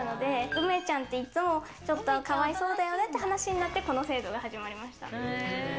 ウメちゃんって、いつもかわいそうだよねって話になって、この制度が始まりました。